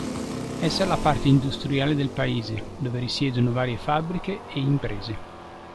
Essa è la parte industriale del paese, dove risiedono varie fabbriche e imprese.